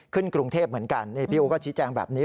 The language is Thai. ขึ้นกรุงเทพเหมือนกันพี่อุ๊ปก็ชิดแจ้งแบบนี้